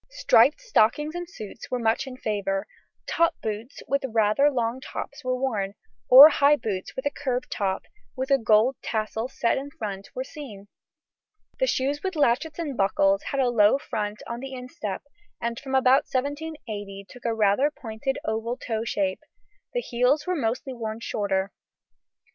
Striped stockings and suits were much in favour. Top boots with rather long brown tops were worn, or high boots with a curved top, with a gold tassel set in front, were seen. The shoes with latchets and buckles had a low front on the instep, and from about 1780 took a rather pointed oval toe shape; the heels were mostly worn shorter.